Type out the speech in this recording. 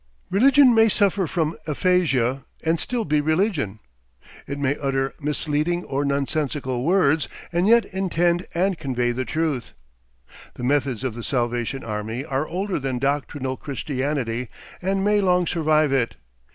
Religion may suffer from aphasia and still be religion; it may utter misleading or nonsensical words and yet intend and convey the truth. The methods of the Salvation Army are older than doctrinal Christianity, and may long survive it.